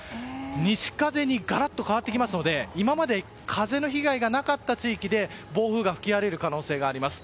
西風にガラッと変わってきますので今まで風の被害がなかった地域で暴風が吹き荒れる可能性があります。